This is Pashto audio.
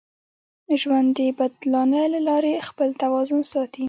ژوند د بدلانه له لارې خپل توازن ساتي.